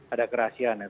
ada kerasian ya